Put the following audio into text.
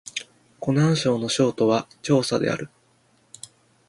湖南省の省都は長沙である